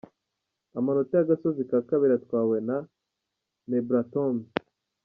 Amanota y’agasozi ka kabiri atwawe na Mebrahtom.